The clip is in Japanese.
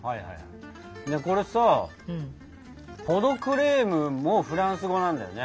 これさポ・ド・クレームもフランス語なんだよね？